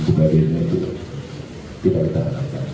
makanya kita aja masuk dalam sistem